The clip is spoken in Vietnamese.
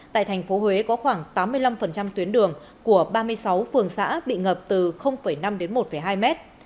tại thành phố huế có khoảng tám mươi năm tuyến đường của ba mươi sáu phường xã bị ngập từ năm đến một hai mét